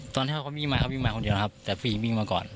ตอนที่เขาวิ่งมาเขาวิ่งมาคนเดียวนะครับแต่ฟรีวิ่งมาก่อน